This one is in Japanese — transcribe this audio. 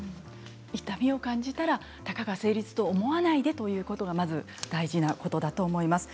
痛みを感じたらたかが生理痛と思わないでということが、大事なことだと思います。